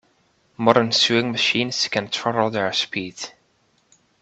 Modern sewing machines can throttle their speed.